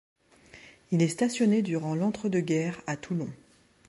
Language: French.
Il est stationné durant l'entre-deux-guerres à Toulon.